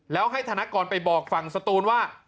แล้วให้ธนกรไปบอกฝั่งสตูนว่า